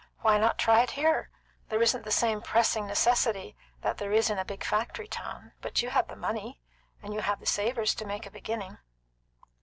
Why not try it here? There isn't the same pressing necessity that there is in a big factory town; but you have the money, and you have the Savors to make a beginning."